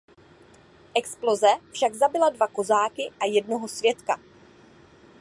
Exploze však zabila dva kozáky a jednoho svědka.